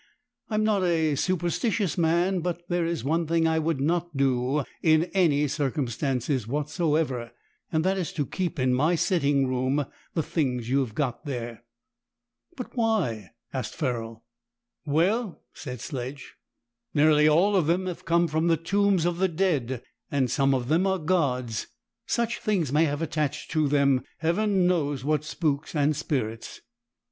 I am not a superstitious man; but there is one thing I would not do in any circumstances whatsoever, and that is to keep in my sitting room the things you have got there." "But why?" asked Ferrol. "Well," said Sledge, "nearly all of them have come from the tombs of the dead, and some of them are gods. Such things may have attached to them heaven knows what spooks and spirits."